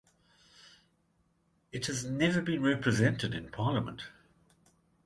It has never been represented in parliament.